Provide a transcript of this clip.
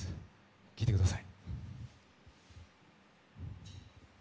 聴いてください。